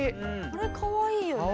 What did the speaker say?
これかわいいよね。